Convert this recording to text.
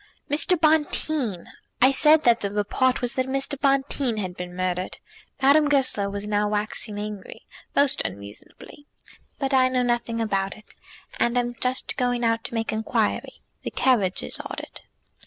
"Mr. Bonteen! I said that the report was that Mr. Bonteen had been murdered." Madame Goesler was now waxing angry, most unreasonably. "But I know nothing about it, and am just going out to make inquiry. The carriage is ordered."